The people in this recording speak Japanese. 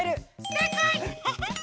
せいかい！